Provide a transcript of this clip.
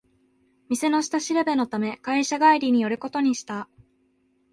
店の下調べのため会社帰りに寄ることにした